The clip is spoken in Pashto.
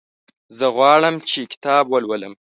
زه غواړم چې کتاب ولولم.